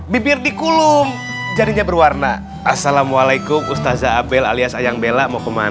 bibir dikulung jadinya berwarna assalamualaikum ustazza abel alias ayang bella mau kemana